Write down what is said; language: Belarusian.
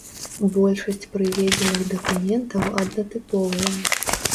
Большасць прыведзеных дакументаў аднатыповыя.